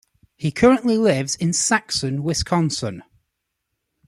He currently lives in Saxon, Wisconsin.